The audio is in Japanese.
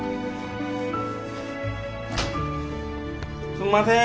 すんません